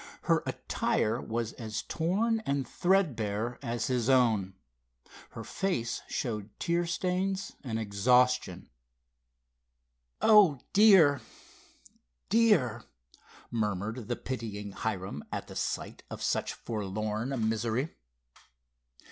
Her attire was as torn and threadbare as his own. Her face showed tear stains and exhaustion. "Oh, dear! Dear!" murmured the pitying Hiram at the sight of such forlorn misery.